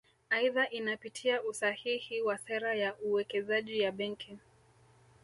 Aidha inapitia usahihi wa sera ya uwekezaji ya Benki